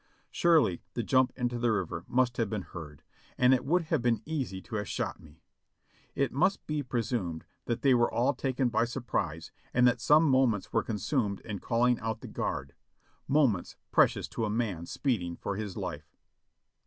Surely the jump into the river must have been heard, and it would have been easy to have shot me. It must be pre sumed that they were all taken by surprise, and that some mo ments were consumed in calling out the guard, moments precious to a man speeding for his life.